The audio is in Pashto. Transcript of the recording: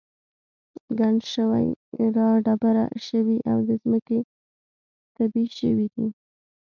ګڼ شوي را دبره شوي او د ځمکې تبی شوي دي.